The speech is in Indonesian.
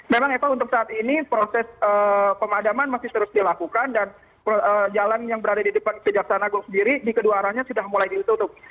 memang eva untuk saat ini proses pemadaman masih terus dilakukan dan jalan yang berada di depan kejaksaan agung sendiri di kedua arahnya sudah mulai ditutup